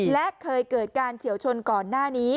และเคยเกิดการเฉียวชนก่อนหน้านี้